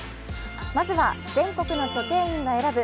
まずは全国の書店員が選ぶ